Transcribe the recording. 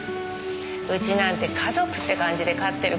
うちなんて家族って感じで飼ってるけどね。